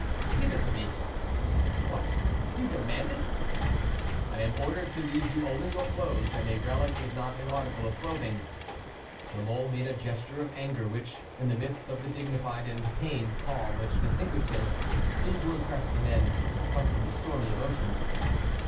"Give it to me." "What! you demand it?" "I am ordered to leave you only your clothes, and a relic is not an article of clothing." La Mole made a gesture of anger, which, in the midst of the dignified and pained calm which distinguished him, seemed to impress the men accustomed to stormy emotions.